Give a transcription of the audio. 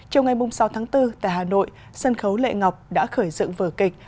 trong ngày sáu tháng bốn tại hà nội sân khấu lệ ngọc đã khởi dựng vở kịch